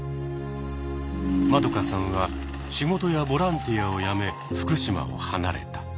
マドカさんは仕事やボランティアをやめ福島を離れた。